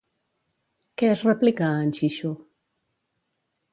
Què es replica a en Xixu?